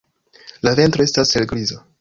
La ventro estas helgriza.